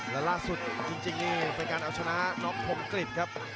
และล่าสุดจริงนี่เป็นการเอาชนะน้องคมกริจครับ